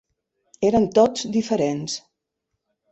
Eren tots diferents.